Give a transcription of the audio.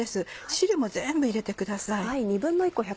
汁も全部入れてください。